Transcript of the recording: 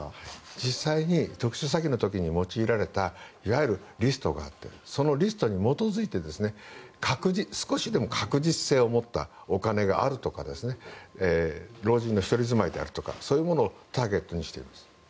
実際に特殊詐欺の時に用いられたいわゆるリストがあってそのリストに基づいて少しでも確実性を持ったお金があるとか老人の１人住まいであるとかそういうものをターゲットにしています。